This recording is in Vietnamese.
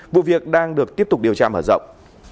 vụ việc đang được tiếp tục điều tra mở rộng